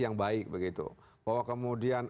yang baik begitu bahwa kemudian